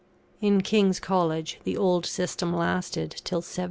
In King's College, the old system lasted till 1798.